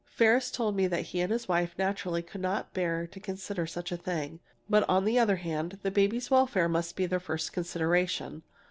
"Ferris told me that he and his wife naturally could not bear to consider such a thing, but on the other hand, the baby's welfare must be their first consideration.